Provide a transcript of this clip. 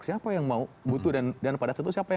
siapa yang mau butuh dan pada saat itu